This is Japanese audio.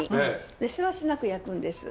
でせわしなく焼くんです。